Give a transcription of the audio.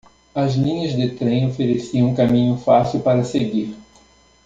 As linhas de trem ofereciam um caminho fácil para seguir.